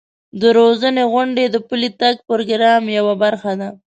د روزنې غونډې د پلي تګ پروګرام یوه برخه ده.